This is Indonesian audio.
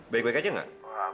baik baik aja gak